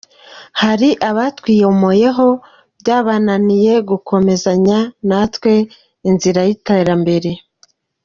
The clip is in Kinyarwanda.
Hari abatwiyomoyeho byabananiye gukomezanya na twe inzira y’iterambere.